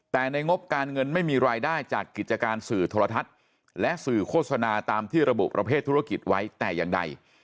แต่ในงบการเงินไม่มีรายได้จากกิจการสื่อโทรทัศน์และสื่อโฆษณาตามที่ระบุประเภทธุรกิจไว้แต่อย่างใด